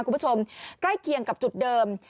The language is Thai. คุณผู้ชมใกล้เคียงกับจุดเดิม